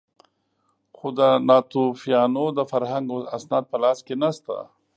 خو د ناتوفیانو د فرهنګ اسناد په لاس کې نه شته.